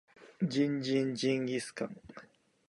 ジンジンジンギスカン